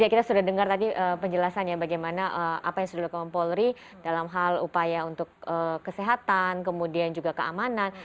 kita sudah dengar tadi penjelasannya bagaimana apa yang sudah dilakukan polri dalam hal upaya untuk kesehatan kemudian juga keamanan